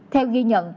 theo ghi nhận